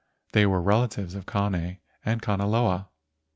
They were relatives of Kane and Kanaloa.